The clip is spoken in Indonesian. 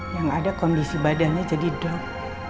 yang ada kondisi badannya jadi drop